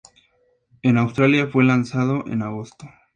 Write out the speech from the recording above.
En Australia fue lanzado en agosto.